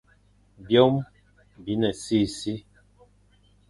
Byôm bi ne sisi,